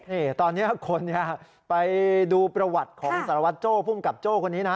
นี่ตอนนี้คนไปดูประวัติของสารวัตรโจ้ภูมิกับโจ้คนนี้นะ